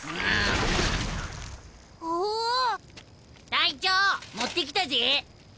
・隊長持ってきたぜ。